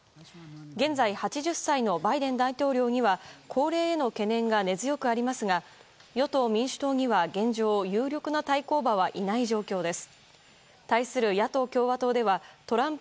現在８０歳のバイデン大統領には高齢への懸念が根強くありますが与党・民主党には現状有力な対抗馬はいない状況です。